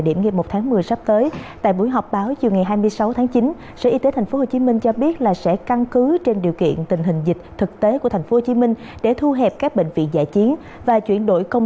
đến sáng ngày hai mươi sáu tháng chín còn hai điểm ánh tắc giao thông